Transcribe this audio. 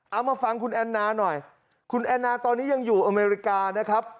เอามาฟังคุณแอนนาหน่อยคุณแอนนาตอนนี้ยังอยู่อเมริกานะครับ